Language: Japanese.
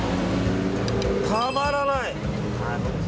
たまらない。